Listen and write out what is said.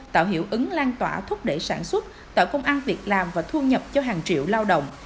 tạo hiệu ứng lan tỏa thúc đẩy sản xuất tạo công an việc làm và thu nhập cho hàng triệu lao động